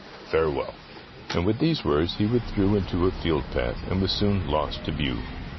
Farewell." And with these words he withdrew into a field path, and was soon lost to view.